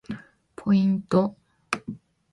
ポイント